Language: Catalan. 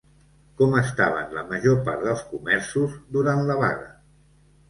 Com estaven la major part dels comerços durant la vaga?